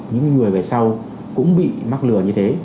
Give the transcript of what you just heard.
những người về sau cũng bị mắc lừa như thế